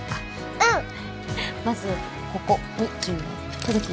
うんまずここに１０円届く？